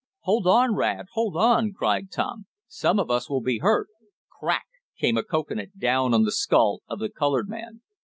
"Hold on, Rad! Hold on!" cried Tom. "Some of us will be hurt!" Crack! came a cocoanut down on the skull of the colored man.